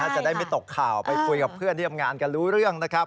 จะได้ไม่ตกข่าวไปคุยกับเพื่อนที่ทำงานกันรู้เรื่องนะครับ